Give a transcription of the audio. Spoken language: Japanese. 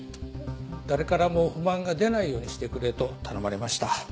誰からも不満が出ないようにしてくれと頼まれました。